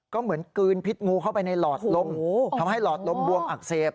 ก็เหมือนกลืนพิษงูเข้าไปในหลอดลมทำให้หลอดลมบวมอักเสบ